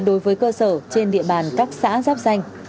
đối với cơ sở trên địa bàn các xã giáp danh